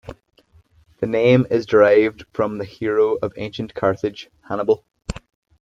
The name is derived from the hero of ancient Carthage, Hannibal.